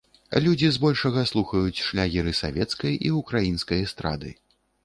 Людзі збольшага слухаюць шлягеры савецкай і украінскай эстрады.